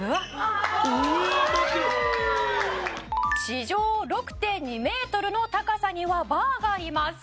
「地上６．２メートルの高さにはバーがあります」